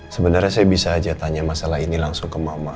sebenarnya saya bisa aja tanya masalah ini langsung ke mama